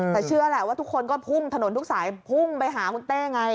แต่เชื่อแหละว่าทุกคนก็พุ่งถนนทุกสายพุ่งไปหาคุณเต้ไง